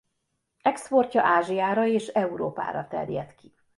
Exportja Ázsiára és Európára terjed ki.